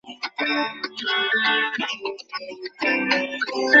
চক্রটি দেশের বিভিন্ন শিক্ষাপ্রতিষ্ঠানে বিভিন্ন কাজ করে দেওয়ার কথা বলে টাকা চাইছে।